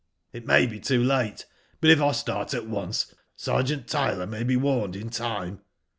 It may be too late, but if I start at once^ Sergeant Tyler may be warned in time.''